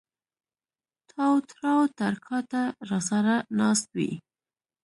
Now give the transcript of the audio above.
تااو تراو تر کا ته را سر ه ناست وې